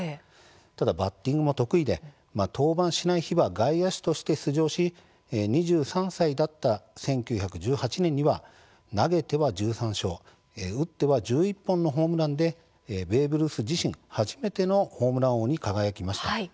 ただバッティングも得意で登板しない日は外野手として出場し２３歳だった１９１８年には投げては１３勝打っては１１本のホームランでベーブ・ルース自身初めてのホームラン王に輝きました。